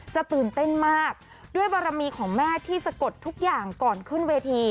ตื่นเต้นมากด้วยบารมีของแม่ที่สะกดทุกอย่างก่อนขึ้นเวที